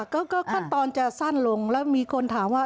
ก็ขั้นตอนจะสั้นลงแล้วมีคนถามว่า